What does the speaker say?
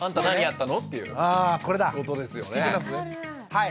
はい。